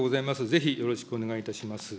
ぜひ、よろしくお願いいたします。